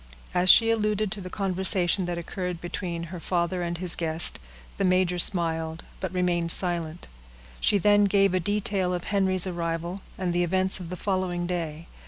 As she alluded to the conversation that occurred between her father and his guest, the major smiled but remained silent. She then gave a detail of Henry's arrival, and the events of the following day.